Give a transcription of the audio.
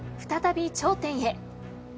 再び頂点へ。